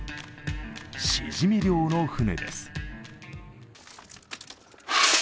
シジミ漁の船です。